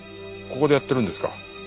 ここでやってるんですか？